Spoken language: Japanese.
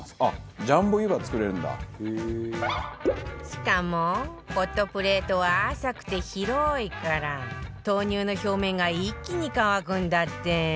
しかもホットプレートは浅くて広いから豆乳の表面が一気に乾くんだって